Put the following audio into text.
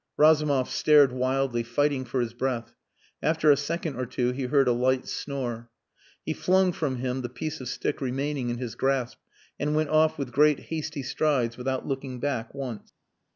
Razumov stared wildly, fighting for his breath. After a second or two he heard a light snore. He flung from him the piece of stick remaining in his grasp, and went off with great hasty strides without looking back once.